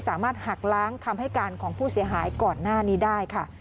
สามารถหักล้างคำให้การของผู้เสียหายก่อนหน้านี้ได้ค่ะ